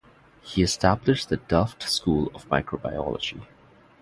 He established the Delft School of Microbiology.